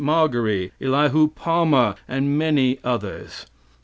Margary, Elihu Palmer and many others.